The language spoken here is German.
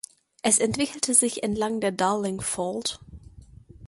Es entwickelte sich entlang der Darling Fault.